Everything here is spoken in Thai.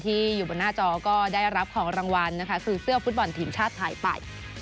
อยู่บนหน้าจอก็ได้รับของรางวัลนะคะคือเสื้อฟุตบอลทีมชาติไทยไป